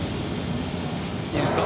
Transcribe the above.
いいですか？